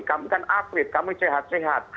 kamu kan atlet kamu sehat sehat